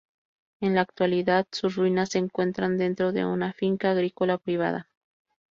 En la actualidad, sus ruinas se encuentran dentro de una finca agrícola privada.